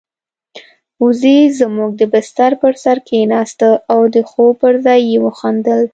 وزې زموږ د بستر پر سر کېناسته او د خوب پر ځای يې وخندل.